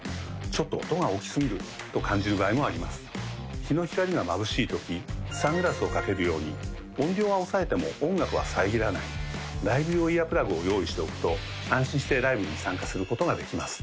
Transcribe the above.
日の光がまぶしい時サングラスをかけるように音量は抑えても音楽は遮らないライブ用イヤープラグを用意しておくと安心してライブに参加することができます